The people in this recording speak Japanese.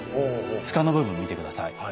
柄の部分見て下さい。